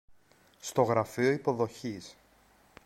στο γραφείο υποδοχής